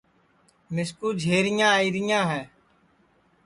مِسکُو جھریاں آئیریاں ہے